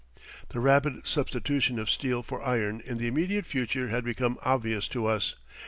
The rapid substitution of steel for iron in the immediate future had become obvious to us.